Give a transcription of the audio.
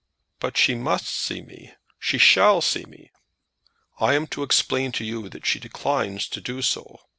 "But she must see me. She shall see me!" "I am to explain to you that she declines to do so.